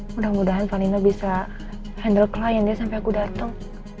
mudah mudahan panino bisa handle klien dia sampe aku dateng